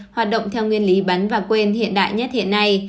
hoạt động theo nguyên lý bắn và quên hiện đại nhất hiện nay